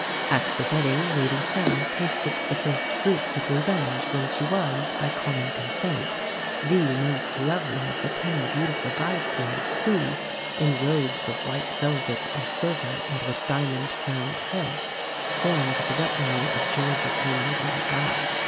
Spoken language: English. At the wedding Lady Sarah tasted the first fruits of revenge, when she was by common consent, the most lovely of the ten beautiful bridesmaids who, in robes of white velvet and silver and with diamond crowned heads, formed the retinue of George's homely little bride.